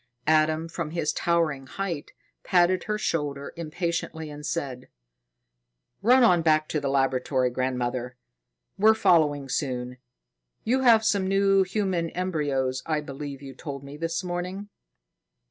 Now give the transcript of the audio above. Adam, from his towering height, patted her shoulder impatiently and said: "Run on back to the laboratory, grandmother. We're following soon. You have some new human embryos, I believe you told me this morning."